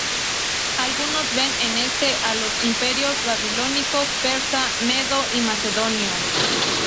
Algunos ven en este a los imperios babilónico, persa, medo y macedonio.